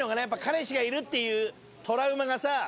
やっぱ彼氏がいるっていうトラウマがさ。